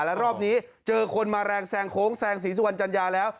และรอบนี้เจอคนมาแรงแซงโค้งแซงศรีสุวรรณจัญญาแล้ว